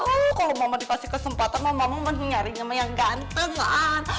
oh kalau mama dikasih kesempatan mama mau mencari nyamanya yang ganteng kan